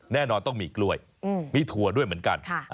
แน่นอนต้องมีกล้วยมีถั่วด้วยเหมือนกัน